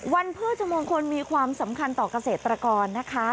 วันพืชมุงคลมีความสำคัญต่อกเศรษฐกรนะคะ